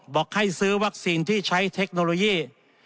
บอกให้ซื้อวัคซีนที่ใช้เทคโนโลยี